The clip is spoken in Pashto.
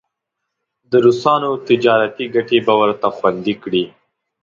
د روسانو تجارتي ګټې به ورته خوندي کړي.